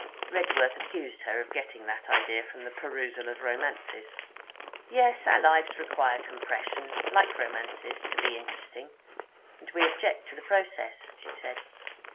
Redworth accused her of getting that idea from the perusal of romances. 'Yes, our lives require compression, like romances, to be interesting, and we object to the process,' she said.